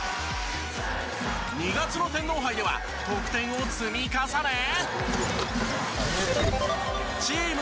２月の天皇杯では得点を積み重ねチーム